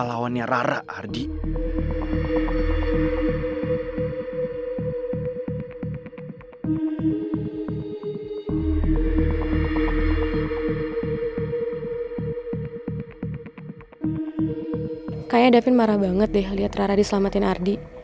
kayaknya da vin marah banget harbor dia selamatin ardy